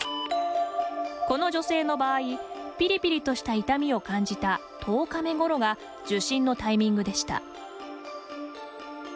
この女性の場合、ピリピリとした痛みを感じた１０日目ごろが受診のタイミングでした。